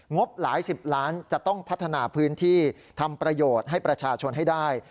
บหลายสิบล้านจะต้องพัฒนาพื้นที่ทำประโยชน์ให้ประชาชนให้ได้